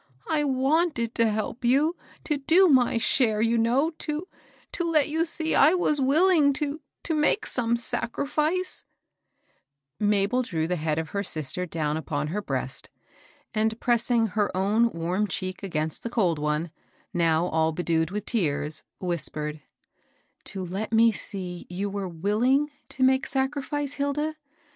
"I wanted to help you, — to do my share, you know, — to — to let you see I was willing to — to make some sacrifice "— Mabel drew the head of her sister down upon her breast, and pressing her own warm cheek against the cold one, now all bedewed with tears, whispered, —" To let me see you were willing to \jaaka ^^^^^^^ 866 HABEL ROSS. rifice, Hilda?